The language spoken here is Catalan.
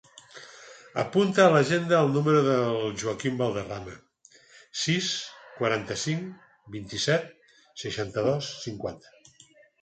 Apunta a l'agenda el número del Joaquín Valderrama: sis, quaranta-cinc, vint-i-set, seixanta-dos, cinquanta.